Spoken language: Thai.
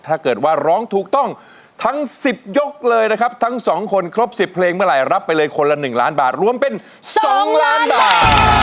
ถ้าเกิดว่าร้องถูกต้องทั้ง๑๐ยกเลยนะครับทั้งสองคนครบ๑๐เพลงเมื่อไหร่รับไปเลยคนละ๑ล้านบาทรวมเป็น๒ล้านบาท